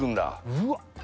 うわっ